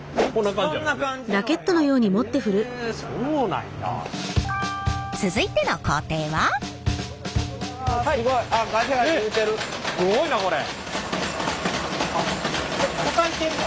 すごいなこれ。